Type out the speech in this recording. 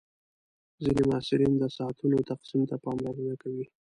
ځینې محصلین د ساعتونو تقسیم ته پاملرنه کوي.